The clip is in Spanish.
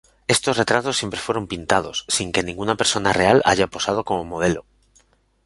Estos retratos siempre fueron pintados, sin que ninguna persona real haya posado como modelo.